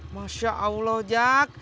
masya allah jak